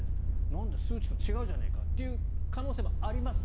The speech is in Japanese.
なんだ、数値と違うじゃないかっていう可能性もあります。